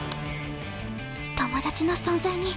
友達の存在に。